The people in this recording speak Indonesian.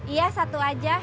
iya satu aja